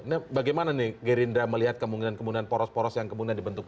nah bagaimana nih gerindra melihat kemungkinan kemungkinan poros poros yang kemungkinan dibentuknya